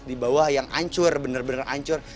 di bawah yang ancur bener bener ancur